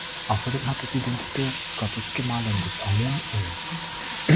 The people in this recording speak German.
Außerdem hatte sie den Titel "Gottesgemahlin des Amun" inne.